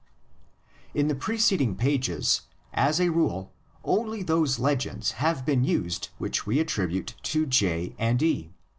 In the preced ing pages as a rule only those legends have been used which we attribute to J and E.